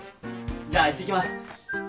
じゃあいってきます。